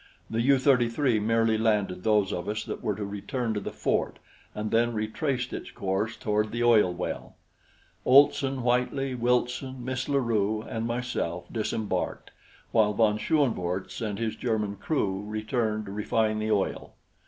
The U 33 merely landed those of us that were to return to the fort and then retraced its course toward the oil well. Olson, Whitely, Wilson, Miss La Rue, and myself disembarked, while von Schoenvorts and his German crew returned to refine the oil.